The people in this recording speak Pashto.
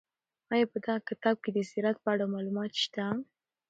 آیا په دغه کتاب کې د سیرت په اړه معلومات شته؟